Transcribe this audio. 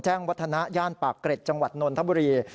แจ้งวัฒนาย่านปากเกร็ดจังหวัดนนท์ธับบุรี